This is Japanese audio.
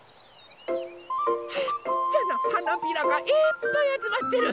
ちっちゃなはなびらがいっぱいあつまってる。